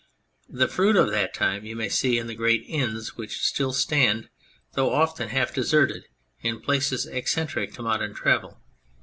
The fruit of that time you may see in the great inns which still stand, though often half deserted, in places eccentric to modern travel.